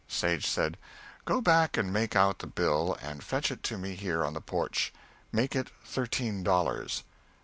Sage said, "Go back and make out the bill and fetch it to me here on the porch. Make it thirteen dollars."